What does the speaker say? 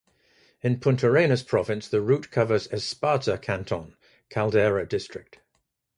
In Puntarenas province the route covers Esparza canton (Caldera district).